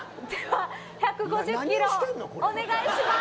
１５０キロお願いします。